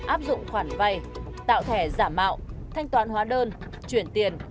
áp dụng khoản vay tạo thẻ giả mạo thanh toán hóa đơn chuyển tiền